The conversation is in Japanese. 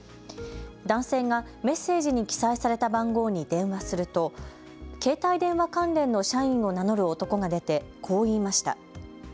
男性がメッセージに記載された番号に電話すると携帯電話関連の社員を名乗る男が出てこう言いました。